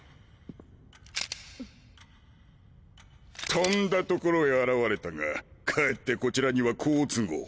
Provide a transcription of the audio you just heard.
・とんだ所へ現れたがかえってこちらには好都合。